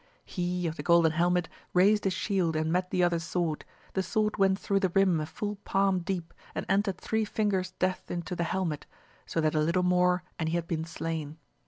He of the 216 AMADIS OF GAUL golden helmet raised his shield and met the other's sword ; the sword went through the rim a full palm deep and entered three fingers' depth into the helmet, so that a little more and he had been slain.